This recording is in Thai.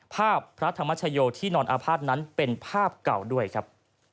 พระธรรมชโยที่นอนอาภาษณ์นั้นเป็นภาพเก่าด้วยครับ